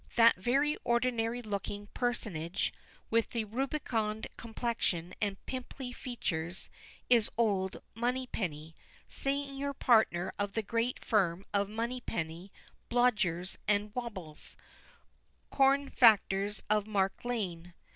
That very ordinary looking personage, with the rubicund complexion and pimply features, is old Moneypenny, senior partner of the great firm of Moneypenny, Blodgers, and Wobbles, corn factors of Mark Lane.